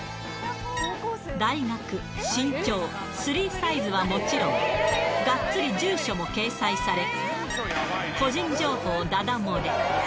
大学、身長、スリーサイズはもちろん、がっつり住所も掲載され、個人情報ダダ漏れ。